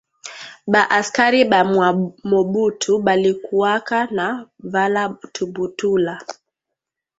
Ba askari ba mwa mobutu balikuwaka na vala tuputula